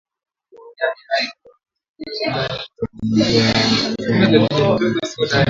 kuwaua wakaazi ambapo walipita kwenye njia yao na kuchoma moto magari sita